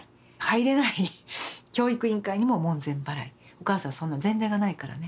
お母さんそんな前例がないからね